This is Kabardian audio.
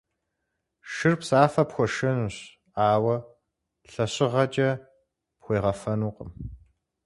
Шыр псафэ пхуэшэнущ, ауэ лъэщыгъэкӏэ пхуегъэфэнукъым.